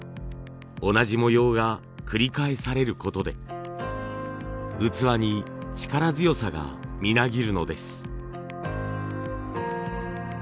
同じ模様が繰り返されることで器に力強さがみなぎるのです。